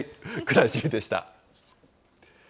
くらしりでした。